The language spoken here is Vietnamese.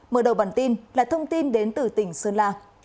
mở đầu bản tin là thông tin đến từ tỉnh sơn la